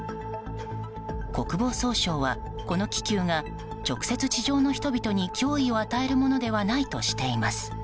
国防総省はこの気球が直接、地上の人々に脅威を与えるものではないとしています。